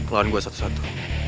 lawan gue satu satu